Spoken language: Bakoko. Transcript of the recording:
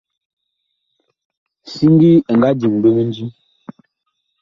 Siŋgi ɛ nga diŋ ɓe mindim.